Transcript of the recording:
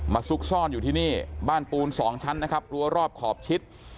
ซุกซ่อนอยู่ที่นี่บ้านปูนสองชั้นนะครับรั้วรอบขอบชิด